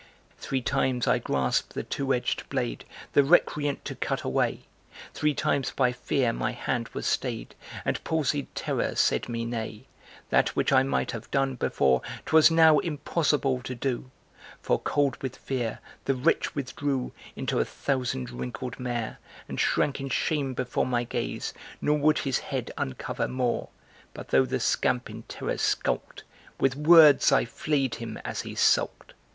Three times I grasped the two edged blade The recreant to cut away; Three times by Fear my hand was stayed And palsied Terror said me nay That which I might have done before 'Twas now impossible to do; For, cold with Fear, the wretch withdrew Into a thousand wrinkled mare, And shrank in shame before my gaze Nor would his head uncover more. But though the scamp in terror skulked, With words I flayed him as he sulked.